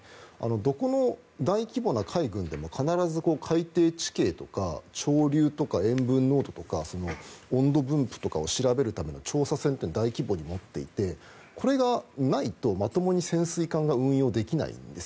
どこの大規模な海軍でも必ず海底地形とか潮流とか塩分濃度とか温度分布とかを調べるための調査船って大規模に持っていてこれがないと、まともに潜水艦が運用できないんです。